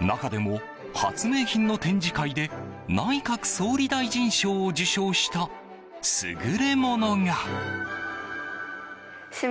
中でも発明品の展示会で内閣総理大臣賞を受賞した優れものが。